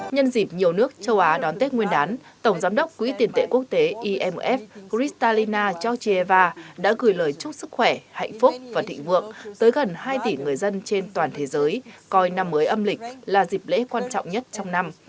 nhân dịp nhiều nước châu á đón tết nguyên đán tổng giám đốc quỹ tiền tệ quốc tế imf christalina georgieva đã gửi lời chúc sức khỏe hạnh phúc và thịnh vượng tới gần hai tỷ người dân trên toàn thế giới coi năm mới âm lịch là dịp lễ quan trọng nhất trong năm